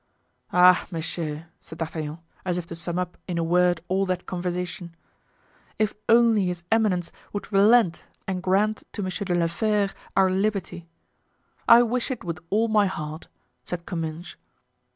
"Ah, monsieur," said D'Artagnan, as if to sum up in a word all that conversation, "if only his eminence would relent and grant to Monsieur de la Fere our liberty." "I wish it with all my heart," said Comminges.